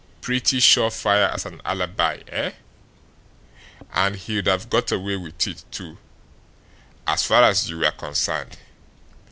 Pretty sure fire as an alibi, eh? And he'd have got away with it, too, as far as you were concerned.